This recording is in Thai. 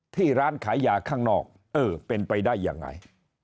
ที่ร้านขายยาข้างนอกเออเป็นไปได้ยังไง